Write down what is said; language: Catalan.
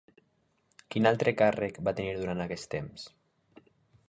Quin altre càrrec va tenir durant aquest temps?